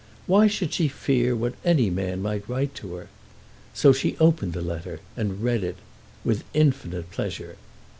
Why should she fear what any man might write to her? So she opened the letter, and read it, with infinite pleasure.